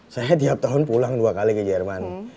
saya tiap tahun pulang dua kali ke jerman